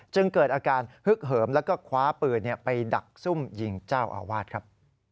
เกิดอาการฮึกเหิมแล้วก็คว้าปืนไปดักซุ่มยิงเจ้าอาวาสครับ